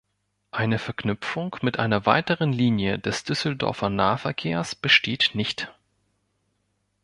Eine Verknüpfung mit einer weiteren Linie des Düsseldorfer Nahverkehrs besteht nicht.